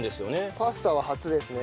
パスタは初ですね。